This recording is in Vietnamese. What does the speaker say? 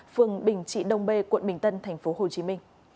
phường bình trị đông b quận bình tân tp hcm